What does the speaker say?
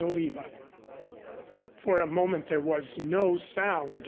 CHAPTER V For a moment there was no sound.